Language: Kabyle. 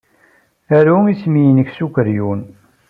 Aru isem-nnek s ukeryun.